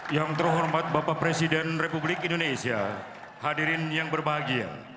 yang terhormat bapak presiden republik indonesia hadirin yang berbahagia